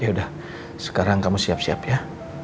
yaudah sekarang kamu siap siap ya